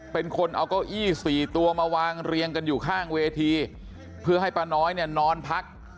เป็นคนเอาเก้าอี้สี่ตัวมาวางเรียงกันอยู่ข้างเวทีเพื่อให้ป้าน้อยเนี่ยนอนพัก